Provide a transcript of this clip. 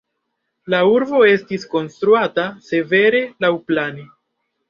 La urbo estis konstruata severe laŭplane.